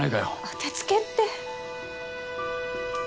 当てつけって。